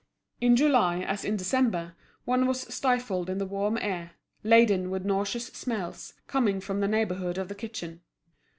In July as in December, one was stifled in the warm air, laden with nauseous smells, coming from the neighbourhood of the kitchen.